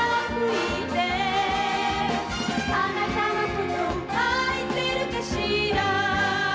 「あなたのこと愛せるかしら」